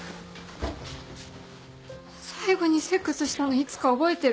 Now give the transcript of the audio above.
最後にセックスしたのいつか覚えてる？